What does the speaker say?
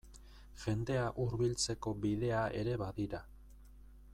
Jendea hurbiltzeko bidea ere badira.